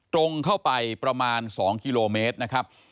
ตรงเข้าไปประมาณ๒กิโลเมตรนะครับ